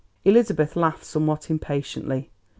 Elizabeth laughed somewhat impatiently.